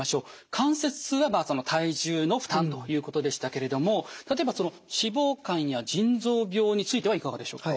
関節痛は体重の負担ということでしたけれども例えば脂肪肝や腎臓病についてはいかがでしょうか。